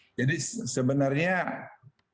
jadi sebesar itu sebesar itu sebesar itu sebesar itu